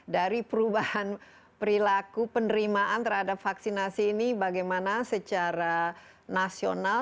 dari perubahan perilaku penerimaan terhadap vaksinasi ini bagaimana secara nasional